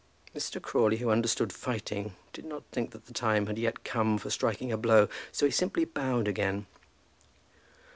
Mr. Crawley, who understood fighting, did not think that the time had yet come for striking a blow, so he simply bowed again.